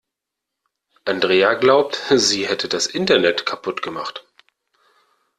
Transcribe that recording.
Andrea glaubt, sie hätte das Internet kaputt gemacht.